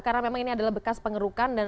karena memang ini adalah bekas pengerukan